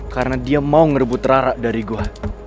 karena dia mau ngerebut rara dari gue